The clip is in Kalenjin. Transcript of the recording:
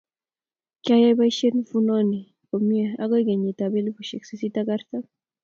Kiayai boisiet mfumoini komie agoi kenyit ab elipusiek sisit ak artam